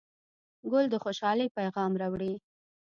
ګل د خوشحالۍ پیغام راوړي.